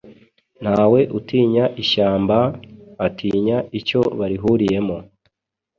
ntawe utinya ishyamba ,atinya icyo barihuriyemo